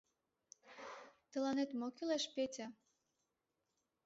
— Тыланет мо кӱлеш, Петя?